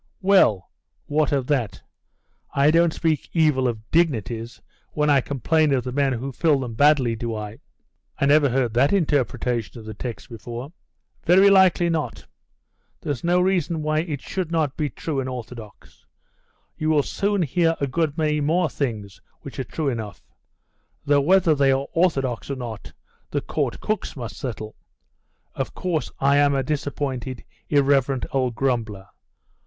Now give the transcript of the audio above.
'Well, what of that? I don't speak evil of dignities, when I complain of the men who fill them badly, do I?' 'I never heard that interpretation of the text before.' 'Very likely not. That's no reason why it should not be true and orthodox. You will soon hear a good many more things, which are true enough though whether they are orthodox or not, the court cooks must settle. Of course, I am a disappointed, irreverent old grumbler.